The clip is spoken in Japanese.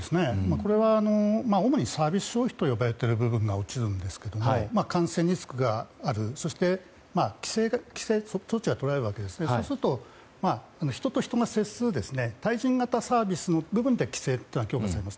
これは主にサービス消費と呼ばれている部分なんですが感染リスクがあるそして規制措置が取られるわけでそうすると人と人が接する対人型サービスの部分では規制が強化されます。